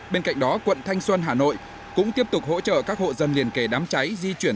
bên cạnh đó quận thanh xuân hà nội cũng tiếp tục hỗ trợ các hộ dân liền kề đám cháy di chuyển